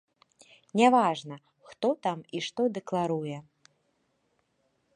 Няважна, хто там і што дэкларуе.